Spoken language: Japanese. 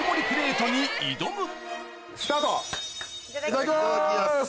いただきます！